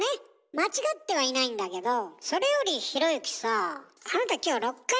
間違ってはいないんだけどそれよりひろゆきさぁあなた